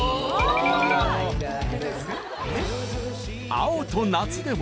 『青と夏』でも